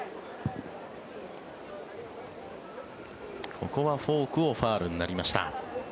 ここはフォークファウルになりました。